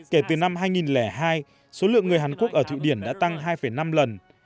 kể từ năm hai nghìn hai số lượng người hàn quốc ở thụy điển đã tăng hai năm lần